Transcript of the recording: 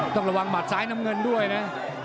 ต้องระวังหมัดซ้ายน้ำเงินด้วยนะ